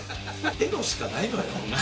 エロしかないのよ。